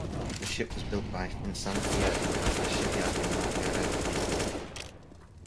The ship was built by Fincantieri at their shipyard in Marghera, Italy.